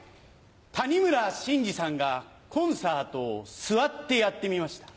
谷村新司さんがコンサートを座ってやってみました。